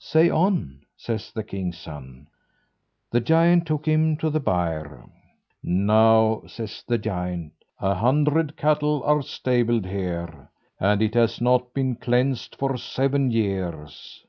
"Say on," says the king's son. The giant took him to the byre. "Now," says the giant, "a hundred cattle are stabled here, and it has not been cleansed for seven years.